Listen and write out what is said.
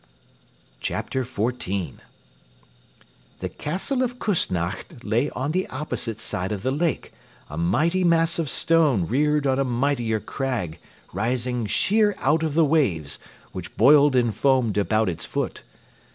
CHAPTER XIV The castle of Küssnacht lay on the opposite side of the lake, a mighty mass of stone reared on a mightier crag rising sheer out of the waves, which boiled and foamed about its foot.